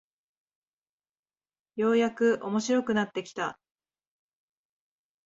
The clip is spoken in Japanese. ようやく面白くなってきた